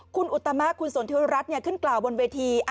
คุณอุตมะคุณสนทิวรัฐขึ้นกล่าวบนเวที